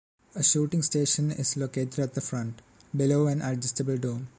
A shooting station is located at the front, below an adjustable dome.